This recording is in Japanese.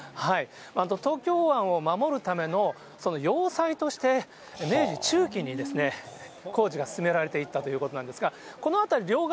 東京湾を守るための要塞として、明治中期に工事が進められていったということなんですが、この辺り、両側